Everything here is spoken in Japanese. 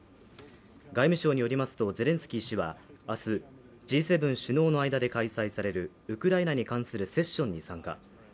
外務省によりますとゼレンスキー氏は明日、Ｇ７首脳の間で開催されるウクライナに関するセッションに参加。